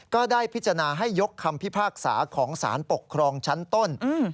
ก็ได้พิจารณาให้ยกคำพิพากษาของสารปกครองชั้นต้น